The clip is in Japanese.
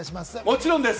もちろんです。